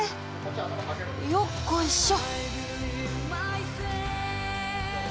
よっこいしょ！